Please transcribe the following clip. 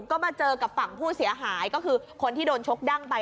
ก็มาเจอกับฝั่งผู้เสียหายก็คือคนที่โดนชกดั้งไป